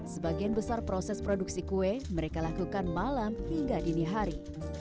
sebagian besar proses produksi kue mereka lakukan malam hingga dini hari